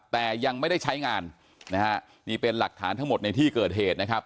แต่ยังไม่ได้ใช้งานนะฮะนี่เป็นหลักฐานทั้งหมดในที่เกิดเหตุนะครับ